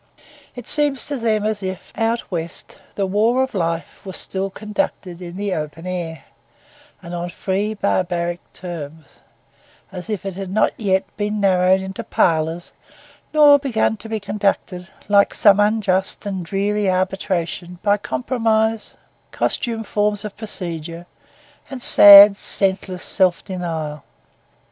It seems to them as if, out west, the war of life was still conducted in the open air, and on free barbaric terms; as if it had not yet been narrowed into parlours, nor begun to be conducted, like some unjust and dreary arbitration, by compromise, costume, forms of procedure, and sad, senseless self denial.